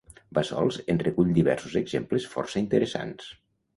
Bassols en recull diversos exemples força interessants.